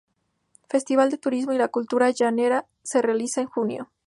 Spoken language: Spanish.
Festival del Turismo y la Cultura Llanera, Se realiza en junio.